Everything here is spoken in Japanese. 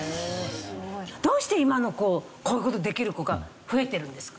どうして今の子こういう事できる子が増えてるんですか？